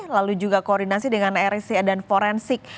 lalu juga koordinasi dengan rca dan forensik